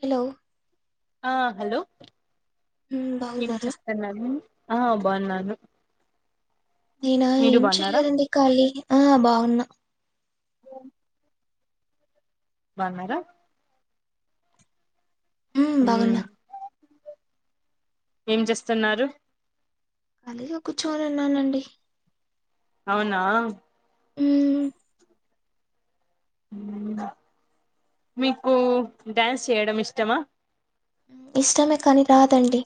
Hello ఆ hello హ్మ్ ఏం బాగున్నారా? చేస్తన్నారు ఆ బాగున్నాను నేనా మీరు ఏం బాగున్నారా చెయలేదండి ఖాళీ ఆ బాగున్నా ఆ బాగున్నారా హ్మ్. ఉ బాగున్నా. ఏం చేస్తున్నారు ఖళీగా కూర్చొని ఉన్నానండి అవునా హ్మ్. మీకు డ్యాన్స్ చేయడం ఇష్టమా ఇష్టమే కాని రాదండి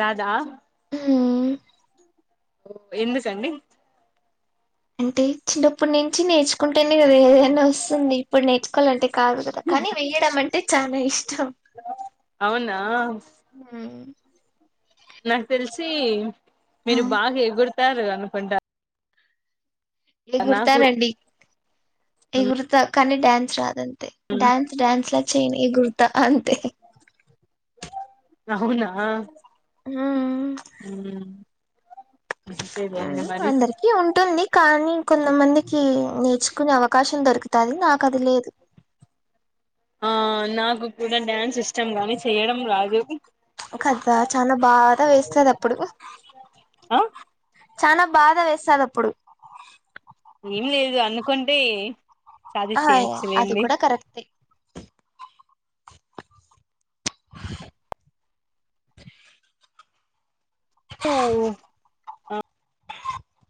రాధా ఆ ఓ ఎందుకండి అంటే చిన్నప్పుటి నుంచి నేర్చుకుంటేనే కదా ఏదైనా వస్తుంది ఇప్పుడు నేర్చుకోవాలంటే కాదు కదా కానీ వేయడం అంటే అంటే చాలా ఇష్టం అవునా హ్మ్. నాకు తెలిసి ఆ! మీరు బాగా ఎగుడతారు అనుకుంటారు ఎగురుతానండి ఎగురుతా కానీ డ్యాన్స్ రాదండి మ్మ్. డ్యాన్స్ డ్యాన్స్ లా చెయ్య ను గానీ ఎగురుత అంతే ఆ అవునా ఆ ఉ ఇంతే అందరికి ఉంటుంది కానీ కొంతమందికి నేర్చుకునే అవకాశం దొరుకుతుంది నాకది లేదు ఆ నాకు కూడా డ్యాన్స్ ఇష్టం గానీ చేయడం రాదు కద చాలా బాధ వేస్తుంది అప్పుడు ఆ చనా బాధ వేస్తాది అప్పుడు ఏం లేదు అనుకుంటే సాది ఆ అది చేయొచ్చులేండి కూడా కరెక్టే అవునా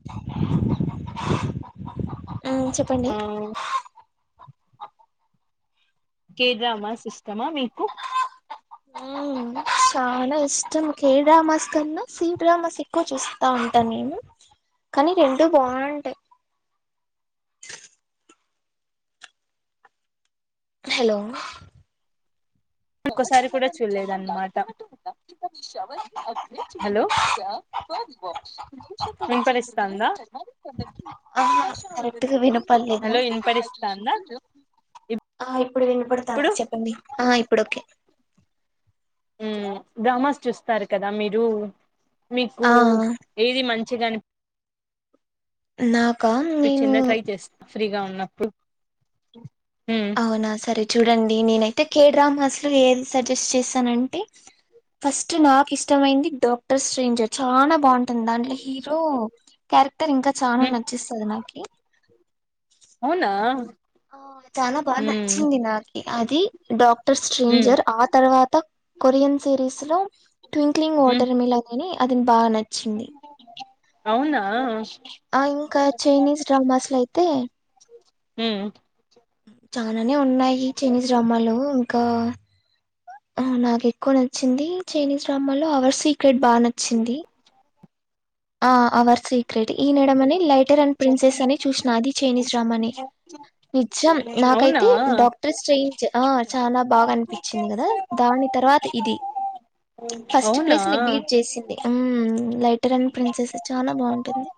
కోడి అరుపు ఆ చెప్పండి కే డ్రామా సిస్టమా మీకు చాలా ఇష్టం కే డ్రామాస్ కన్నా సి డ్రామాస్ ఎక్కువ చూస్తా ఉంటాను నేను కానీ రెండు బాగుంటాయి ఉ హలో ఒకసారి కూడా చూడలేదన్నమాట హలో వినిపరిస్తుందా ఆహా కరెక్ట్ గా వినపడలేదు హలో వినపడనిస్తుందా ఆ ఇప్పుడు వినపడుతుంది చెప్పండి ఆ ఇప్పుడు కే ఉమ్ డ్రామాస్ చూస్తారు కదా మీరు మీకు ఆ ఏది మంచి మచ్చిగాని నాకా నేను అనిపించిందో ట్రై చేస్తా ఫ్రీగా ఉన్నప్పుడు మ్మ్ అవునా సరే చూడండి నేనైతే కేడ్రామ్ హస్లు ఏది సజెస్ట్ చేసానంటే ఫస్ట్ నాకు ఇష్టమైంది డాక్టర్స్ ర్రేంజర్ చాలా బాగుంటుంది దాంట్లో హీరో క్యారెక్టర్ ఇంకా చనా మ్మ్ నచ్చేస్తాది నాకి అవునా చాలా బాగా మ్మ్ నచ్చింది నాకి అది డాక్టర్ మ్మ్ స్ట్రేంజర్ ఆ తర్వాత కొత్త కొరియన్ సిరీస్ లో ట్వింక్లింగ్ మ్మ్ వాటర్ మిలాన్ అని అది బాగా నచ్చింది అవునా హ ఆ ఇంకా చైనీస్ డ్రామాస్ లో అయితే చాలానే ఉన్నాయి చైనీస్ డ్రామాలు ఇంకా నాకు ఎక్కువ నచ్చింది చైనీస్ డ్రామా లో అవర్ సీక్రెట్ బాగా నచ్చింది ఆ అవర్స్ గ్రట్ ఈ నడమని లైటర్ అండ్ ప్రిన్సెస్ అని చూసిన అది చైనీస్ డ్రామానే నిజం అవునా నాకైతే డాక్టర్స్ స్ట్రేంజ్ ఆ చాలా బాగా అనిపించింది కదా దాని తర్వాత ఇది ఫస్ట్ అవునా ప్లేస్ ని బీట్ చేసింది లైక్ కరన్ ప్రిన్సెస్ చాలా బాగుంటుంది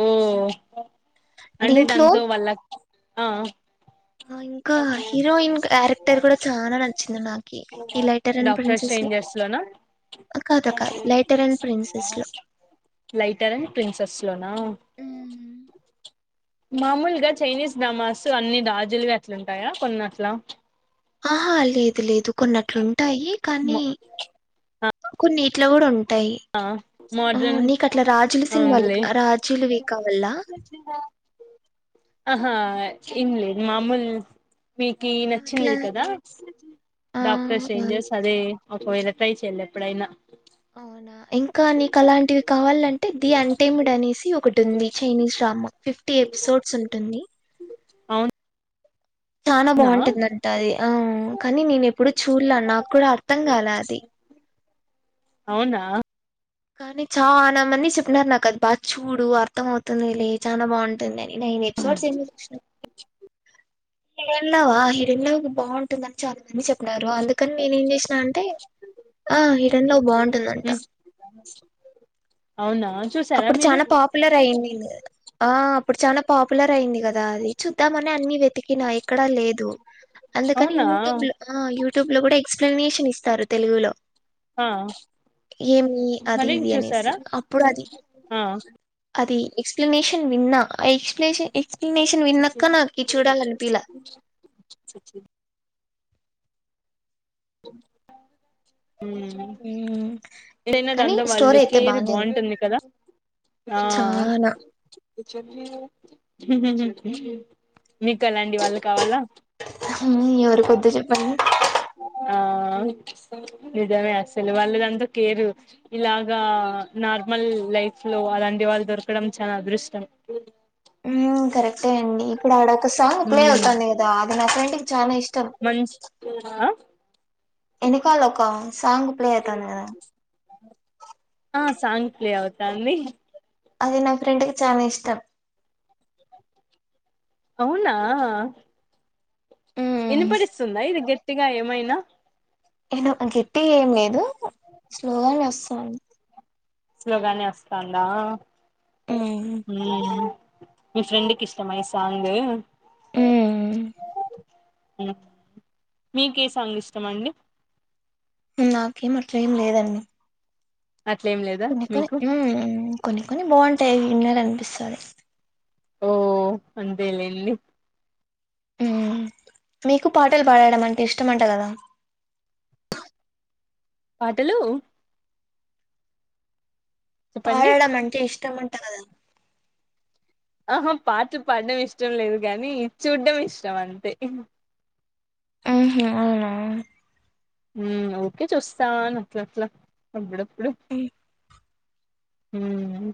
ఓ అంటే దీంట్లో దాంతో వాళ్ల కు ఆ ఆ, ఇంకా హీరోయిన్ క్యారెక్టర్ కూడా చాలా నచ్చింది నాకు డాక్టర్ సన్ స్ లోనా కాదా కాదు లైటర్ అండ్ ప్రిన్సెస్ లో లైటర్ అని ప్రిన్సెస్ లోనా మ్మ్. మామూలుగా చైనీస్ డ్రామాస్ అన్ని రాజులువి అట్లుంటాయా కొన్ని అట్లా ఆహా లేదు లేదు కొన్నట్లుంటాయి కానీ మో కొన్ని ఇట్ల కూడా ఉంట యి ఆ మోడ్రన్ నీకు అట్లా రాజుల సినిమాలు ఓన్లీ రాజులువి కావల్ల ఆహా ఇల్లే మామూలు మీకు ఆ, నచ్చింది అట్లా ఇది కదా ఆ! డాక్టర్స్ ఆ! ఏంజెస్ అదే ఒకవేళ ట్రై చేయలే ఎప్పుడయినా అవునా ఇంకా నీకు అలాంటివి కావాలంటే ది అంటేముడు అనేసి ఒకటి ఉంది చైనీస్ డ్రామా ఫిఫ్టీ ఎపిసోడ్స్ ఉంటుంది అవును చనా బాగుంటుందంట అది ఆ కానీ నేను ఎప్పుడు చూడలా నాకు కూడా అర్థం కాలా అది అవునా కానీ చాలా మంది చెప్పినారు నాకు అది బాగా చూడు అర్థం అవుతుంది లే చాలా బాగుంటుంది అని నేనే ఎపిసోడ్స్ ఎన్ని చూసావ్ హిరేలవా హిరేల బాగుంటుందని చాలా మంది అన్నారు అందుకని నేనే ఏం చేసినా అంటే ఆ హిటన్ లో బాగుంటుందంట ఉమ్ అవునా చూసారా అప్పుడు మీరు చానా పాపులర్ అయింది ఆ అప్పుడు చనా పాపులర్ అయింది కా దా అది చూద్దామని అన్ని వెతికినా ఎక్కడా లేదు అందుకని అవునా యూట్యూబ్ లో ఆ యూట్యూబ్ లో కూడా ఎక్స్ప్లెనేషన్ ఇస్తారు తెలుగులో ఆ ఏమి అది మరి ఇది అనేసి చూసారా అప్పుడు అది ఆ అది ఎక్స్ప్లెనేషన్ విన్నా ఆ ఎక్స్ప్లేష ఎక్స్ప్లనేషన్ విన్నక్క నాకు చూడాలన్పీలా ఉమ్ ఉమ్, ఏదైనా కానీ దాంత వాళ్ళు స్టోరీ అయితే కేర్ బానే ఉంది బాగుంటుంది కదా ఆ చానా చెప్నా కదా మీకు అలాంటి వాళ్ళు కావాలా? ఎవరి కొద్దు చెప్పండి ఆ నిజమే అసలు వాళ్ళ దంతా కేరు ఇలాగా నార్మల్ లై లైఫ్ లో అలాంటి వాళ్ళు దొరకడం చానా అదృష్టం ఉమ్ కరెక్టే అండి ఇప్పుడు ఆడ ఒక సాంగ్ ప్లే అవుతాంది కదా అది నా ఫ్రెండ్కి చానా ఇష్టం మంచి ఆ ఎనకాల ఒక్క సాంగ్ ప్లే అయితాంది కదా ఆ సాంగ్ ప్లే అవుతాంది అది నా ఫ్రెండ్ కి చానా ఇష్టం అవునా? వినిపడిస్తుందా ఇది గట్టిగా ఏమైనా? నేను గట్టిగా ఏం లేదు స్లోగానే వస్తాంది. స్లోగానే వస్తాందా ఉమ్ ఉమ్ మీ ఫ్రెండ్కి ఇష్టమా ఈ సాంగ్? ఊ ఉమ్ మీకే సాంగ్ ఇష్టం అండి? నాకేం అట్లేం లేదండి అట్లేం లేదా కొన్ని కొని మీకు ఉమ్ కొన్ని కొన్ని బాగుంటాయ్ వినాలన్పిస్తాది ఓ అంతేలేండి ఉమ్ మీకు పాటలు పాడడం అంటే ఇష్టమంట కదా? పాటలూ చెప్పండి పాడడం అంటే ఇష్టంమంట కదా? ఆహా పాట్లు పాడడం ఇష్టం లేదు గానీ చూడ్డం ఇష్టం అంతే ఆహా అవునా? ఉమ్ ఓకే చూస్తాను అట్ల అట్లా అప్పుడప్పుడు ఉమ్ ఆ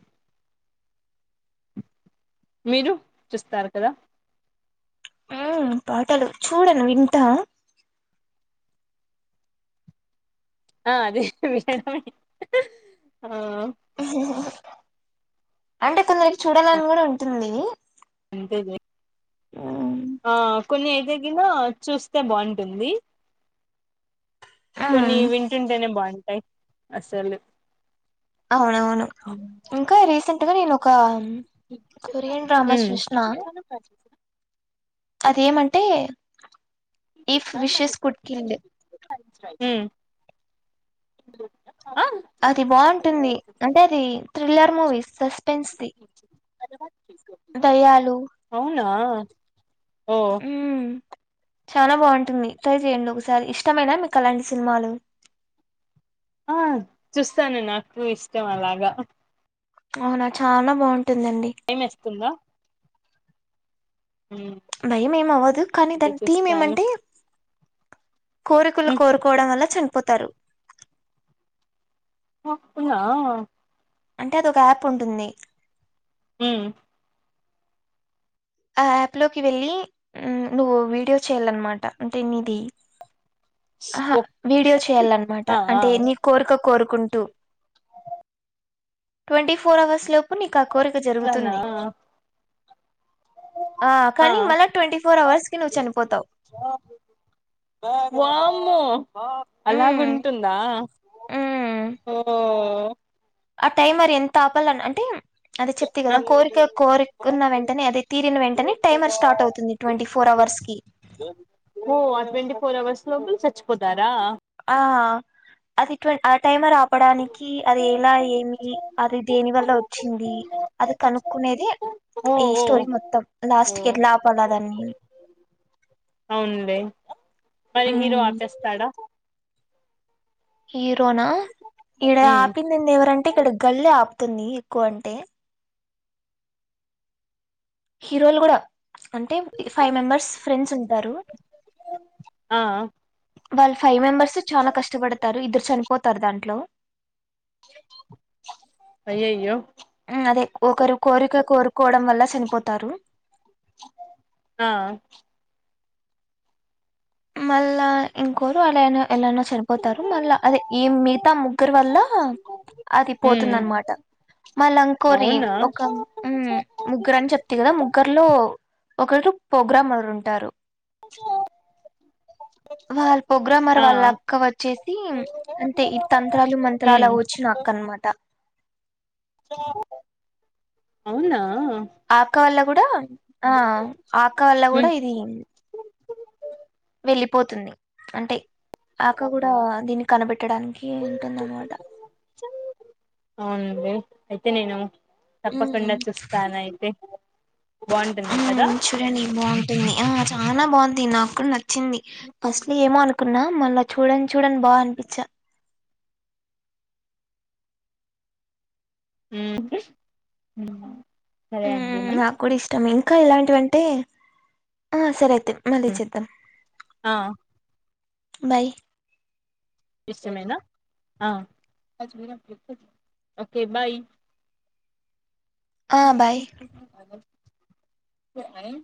మీరు చూస్తారు కదా? ఆ పాటలు చూడను వింటా ఆ అదే నే అంటే కొందరికి చూడాలని కూడా ఉంటుంది అంతేే మ్మ్ ఆ కొన్ని అయితేగిన చూస్తే బాగుంటుంది కొన్ని వింటుంటేనే బాగుంటాయ్ అసలు ఆ అవును మ్మ్ ఇంకా రీసెంట్ గా నేను ఒక కొరియన్ డ్రామాస్ మ్మ్ చూస్నా? అదేమంటే ఈఫ్ విషెస్ కుట్కింద్ ఉమ్ అది బాగుంటుంది అంటే అది థ్రిల్లర్ మూవీస్ సస్పెన్స్ ది దయ్యాలు అవునా ఓ మ్మ్ చాలా బాగుంటుంది ట్రై చెయండి ఒకసారి ఇష్టమేనా మీకు అలాంటి సినిమాలు ఆ చూస్తాను నాకు ఇష్టం అలాగా అవునా చానా బా భయమేస్తుందా భయం ఏమవ్వదు కానీ అదే దాని థీమ్ చూస్తాను ఏమంటే కోరికలు హ్మ్. కోరుకోవడం వల్ల చనిపోతారు పప్పు నా అంటే అది ఒక యాప్ ఉంటుంది ము ఆ యాప్ లోకి వెళ్ళి నువ్వు వీడియో చెయ్యాలనమాట అంటే నీది అహా వీడియో చేయాలన్నమాట ఆ ఆ అంటే నీ కోరిక కోరుకుంటూ ట్వంటీ ఫోర్ అవర్స్ లోపు నీకు ఆ కోరిక అట్లనా జరుగుతుంది ఆ కానీ మళ్ళా ట్వంటీ ఫోర్ అవర్స్ కి నువ్వు చనిపోతావ్ ఆ వామ్మో మ్ అలాగుంటుందా మ్ ఓ ఆ టైమర్ ఎంత ఆపాలన్న అంటే అది చెప్తి ఆ కదా కోరిక కోరికున్న వెంటనే అదే తీరిన వెంటనే టైమర్ స్టార్ట్ అవుతుంది ట్వంటీ ఫోర్ అవ అవర్స్ కి ఓ ఆ ట్వంటీ ఫోర్ అవర్స్ లోపల చచ్చపోతారా ఆ అది ట్వ టైమర్ ఆపడానికి అది ఎలా ఏమి అది దేని వల్ల వచ్చింది అది కనుక్కు అనేది ఓ ఈ ఓ స్టోరీ మొత్తం ఓ లాస్ట్ కి ఎట్లా ఆపాల దాన్ని అవున్లే మరి హీరో ఆపేస్తాడా హీరోనా ఈడ ఉమ్ ఆపినింది ఎవరంటే ఇక్కడ గల్లీ గర్ల్ ఏ ఆపి ఎంతుంది ఎక్కువంటే హీరోలు కూడా అంటే ఫైవ్ మెంబర్స్ ఫ్రెండ్స్ ఉంటారు ఆ వాళ్ళు ఫైవ్ మెంబర్స్ చానా కష్టపడతారు ఇద్దరు చనిపోతారు దాంట్లో అయ్యయ్యో అదే ఒకరు కోరిక కోరుకోవడం వల్ల చనిపోతారు ఆ మళ్ళా ఇంకోరు అలానే ఎలానో చనిపోతారు మళ్ళా అదే ఈ మిగతా ముగ్గురు వల్ల అది పోతుంది ఉమ్ అనమాట మళ్ళ ఇంకోరి అవునా ఒక ముగ్గురు అని చెప్తి కదా ముగ్గర్లో ఒకరు ప్రోగ్రామరు ఉంటారు చో వాళ్ళ ప్రొగ్రామర్ వాళ్ళ అక్క వచ్చేసి అంటే ఈ తంత్రాలు మంత్రాలు ఉమ్ అవి వచ్చిన క్కన్మాట అవునా ఆక్క వల్ల కూడా ఆక్క వల్ల హ్మ్ కూడా ఇది వెళ్ళిపోతుంది అంటే ఆక్క కూడా దీన్ని కనబె పెట్టడానికి ఉంటుంది అన్నమాట అవునండి అయితే నేను తప్పకుండా చూస్తాను అయితే బాగుంటుంది ము కదా చూడండి బాగుంటుంది ఆ చానా బాగుంది నాకు కూడా న వచ్చింది ఫస్ట్ ఏమో అనుకున్నా మళ్ళా చూడంగ చూడంగ బాగా అనిపించా ఉమ్ హుమ్ ఉమ్ నాకు కూడ ఇష్టమే ఇంకా ఇలాంటివి అంటే ఆ సరే మళ్ళీ చేద్దాం ఆ బాయ్ ఇష్టమేనా ఆ ఓకే బాయ్ ఆ బాయ్ ఎస్ నైన్